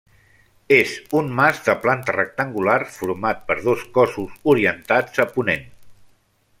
És un mas de planta rectangular format per dos cossos orientats a ponent.